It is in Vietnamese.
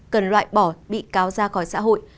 cần loại bỏ bị cáo ra khỏi xã hội